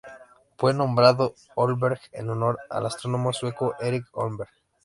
Fue nombrado Holmberg en honor al astrónomo sueco Erik Holmberg.